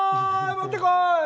もってこい！